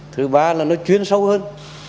thứ ba là nó chuyến sâu hơn